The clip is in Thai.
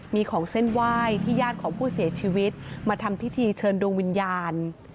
มีของเส้นไหว้ที่ญาติของผู้เสียชีวิตมาทำพิธีเชิญดวงวิญญาณ